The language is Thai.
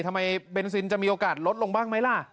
เบนซินจะมีโอกาสลดลงบ้างไหมล่ะ